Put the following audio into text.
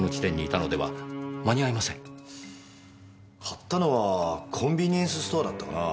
買ったのはコンビニエンスストアだったかなぁ。